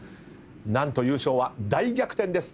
何と優勝は大逆転です。